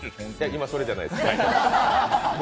今じゃないです。